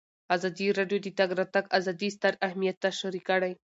ازادي راډیو د د تګ راتګ ازادي ستر اهميت تشریح کړی.